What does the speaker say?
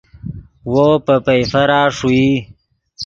وو پے پئیفرا ݰوئی